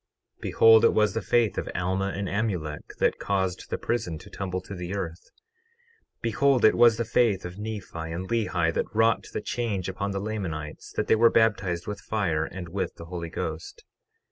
12:13 Behold, it was the faith of Alma and Amulek that caused the prison to tumble to the earth. 12:14 Behold, it was the faith of Nephi and Lehi that wrought the change upon the Lamanites, that they were baptized with fire and with the Holy Ghost.